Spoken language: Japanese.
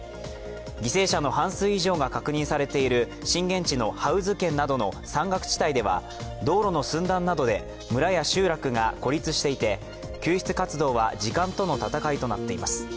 犠牲者の半数以上が確認されている震源地のハウズ県などの山岳地帯では道路の寸断などで村や集落などが孤立していて、救出活動は時間との闘いとなっています。